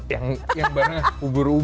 yang barangnya ubur ubur